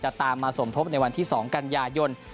ตามมาสมทบในวันที่๒กันยายน